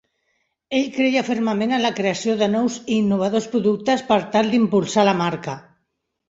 Ell creia fermament en la creació de nous i innovadors productes per tal d'impulsar la marca.